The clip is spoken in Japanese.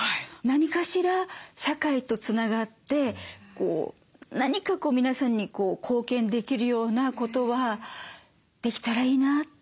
何かしら社会とつながって何かこう皆さんに貢献できるようなことはできたらいいな。